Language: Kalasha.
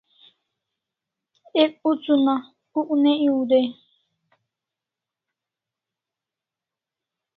Ek uts una uk ne ew dai